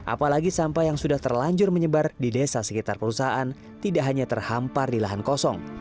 apalagi sampah yang sudah terlanjur menyebar di desa sekitar perusahaan tidak hanya terhampar di lahan kosong